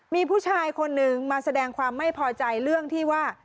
มีผู้ชายคนนึงมาแสดงความไม่พอใจเรื่องที่ว่า